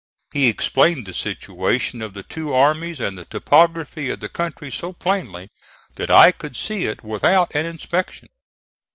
He explained the situation of the two armies and the topography of the country so plainly that I could see it without an inspection.